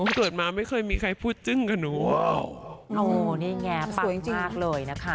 เกิดมาไม่เคยมีใครพูดจึ้งกับหนูโอ้นี่ไงปังมากเลยนะคะ